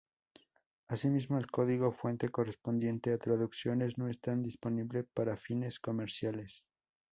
Así mismo el código fuente correspondiente a traducciones no está disponible para fines comerciales.